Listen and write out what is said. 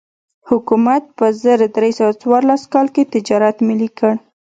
حکومت په زر درې سوه څوارلس کال کې تجارت ملي کړ.